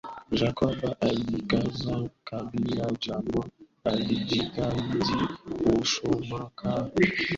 Jacob alikaza kabali jamaa alijitahidi kuchomoka lakini kabali ilimzidi nguvu akahisi pumzi zinamtupa mkono